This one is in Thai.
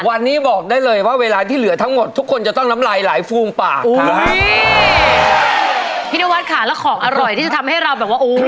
วันนี้บอกได้เลยว่าเวลาที่เหลือทั้งหมดทุกคนจะต้องน้ำลายหลายฟูงปากครับ